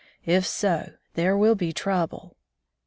If so, there will be trouble."